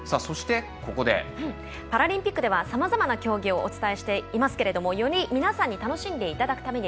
パラリンピックではさまざまな競技をお伝えしていますけれどもより、皆さんに楽しんでいただくために